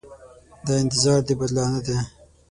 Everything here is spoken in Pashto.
دا انتظار د بدلانه دی.